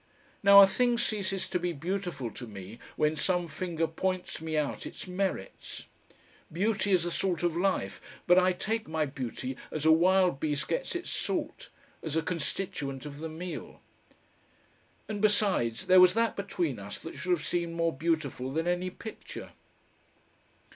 Now a thing ceases to be beautiful to me when some finger points me out its merits. Beauty is the salt of life, but I take my beauty as a wild beast gets its salt, as a constituent of the meal.... And besides, there was that between us that should have seemed more beautiful than any picture....